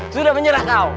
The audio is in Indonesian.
sudah menyerah engkau